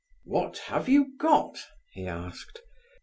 "What have you got?" he asked.